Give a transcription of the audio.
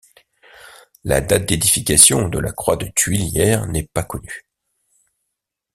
La date d'édification de la croix de Tuilière n'est pas connue.